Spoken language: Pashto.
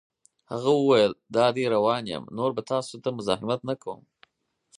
هغه وویل: دادی روان یم، نور به ستاسو ته مزاحمت نه کوم.